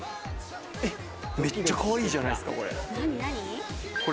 めっちゃかわいいじゃないですか、これ。